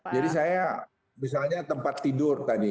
jadi saya misalnya tempat tidur tadi